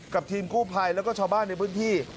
ทีมกู้ภัยแล้วก็ชาวบ้านในพื้นที่